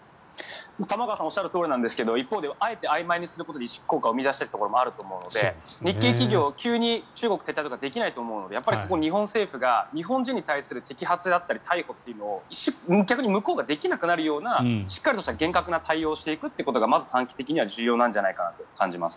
玉川さんがおっしゃるとおりなんですが一方であえてあいまいにすることで萎縮効果を生み出しているところもあると思うので日系企業、急に中国撤退とかできないと思うのでここは日本政府が日本人に対する摘発だったり逮捕というものを逆に向こうができなくなるようなしっかりした厳格な対応をしていくことがまず短期的には重要なんじゃないかなと感じます。